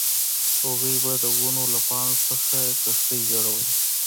هغوی به د ونو له پاڼو څخه کښتۍ جوړولې